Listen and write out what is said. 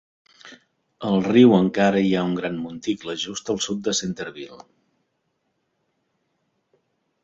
Al riu hi ha encara un gran monticle, just al sud de Centerville.